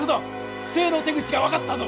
不正の手口が分かったぞ！